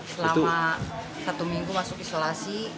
selama satu minggu masuk isolasi